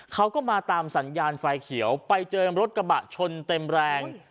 เขาก็มาตามสัญญาณไฟเขียวไปเจอรถกระบะชนเต็มแรง